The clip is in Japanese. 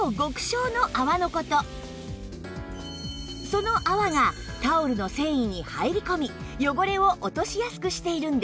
その泡がタオルの繊維に入り込み汚れを落としやすくしているんです